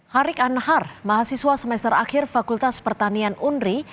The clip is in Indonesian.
harik annahar mahasiswa semester akhir fakultas pertanian unri